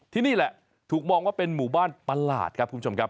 นี่แหละถูกมองว่าเป็นหมู่บ้านประหลาดครับคุณผู้ชมครับ